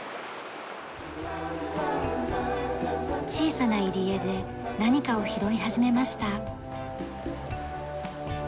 小さな入り江で何かを拾い始めました。